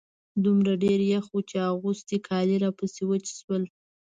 دومره ډېر يخ و چې اغوستي کالي راپسې وچ شول.